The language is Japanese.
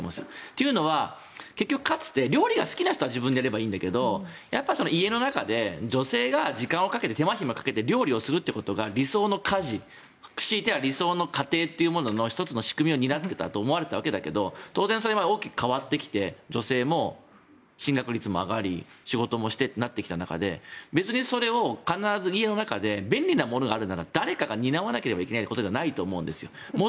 というのは結局料理が好きな人はやればいいんだけどやっぱり家の中で女性が時間をかけて手間ひまかけて料理をするということが理想の家事ひいては理想の家庭というものの１つの仕組みを担っていたと思われていたわけだけど当然それは大きく変わってきて女性の進学率も上がり仕事もしてとなってきた中でそれを必ず家の中で便利なものがあるなら誰かが担わなければいけないことはないんですよ。